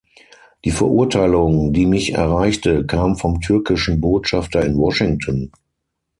Die Verurteilung, die mich erreichte, kam vom türkischen Botschafter in Washington.